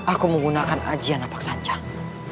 aku menggunakan ajian apaksanjang